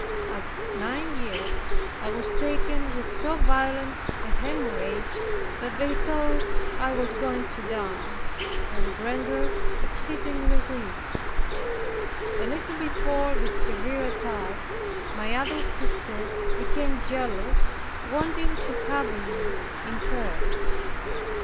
At nine years, I was taken with so violent a hemorrhage that they thought I was going to die. I was rendered exceedingly weak. A little before this severe attack, my other sister became jealous, wanting to have me in turn.